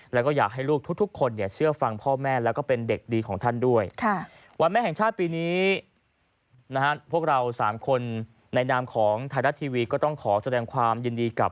แล้วก็อยากให้ลูกทุกคนเนี่ยเชื่อฟังพ่อแม่แล้วก็เป็นเด็กดีของท่านด้วย